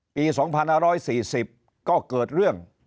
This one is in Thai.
ปี๒๕๔๐ก็เกิดเรื่อง